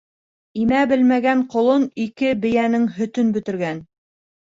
Имә белмәгән ҡолон ике бейәнең һөтөн бөтөргән.